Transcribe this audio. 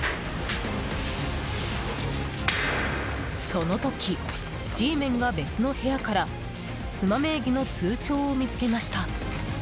その時、Ｇメンが別の部屋から妻名義の通帳を見つけました。